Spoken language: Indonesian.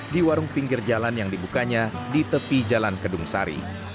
di warung pinggir jalan yang dibukanya di tepi jalan kedung sari